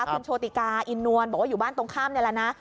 คุณโชติกาอินนวลบอกว่าอยู่บ้านตรงข้ามนี่แหละนะ